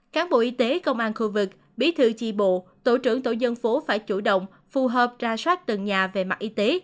cán bộ y tế công an khu vực bí thư chi bộ tổ trưởng tổ dân phố phải chủ động phù hợp ra soát từng nhà về mặt y tế